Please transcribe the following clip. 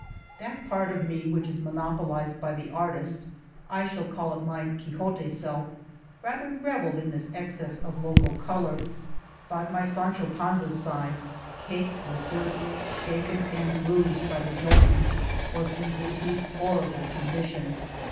That part of me which is monopolized by On the Road to Argamasilla the artist — I shall call it my Quixote self — rather revelled in this excess of local color, but my Sancho Panza side, caked with dirt, shaken and bruised by the jolting, was in a deplorable condition.